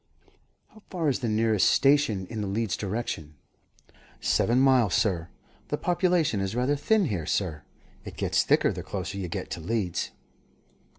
"How far is the nearest station in the Leeds direction?" "Seven miles, sir. The population is rather thin here, sir. It gets thicker the closer you get to Leeds."